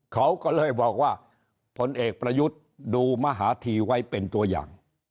เขาก็เลยบอกว่าผลเอกประยุทธ์ดูมหาธีไว้เป็นตัวอย่าง